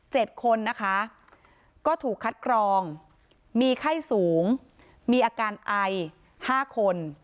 คนนะคะก็ถูกคัดกรองมีไข้สูงมีอาการไอห้าคน